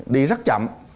đi rất chậm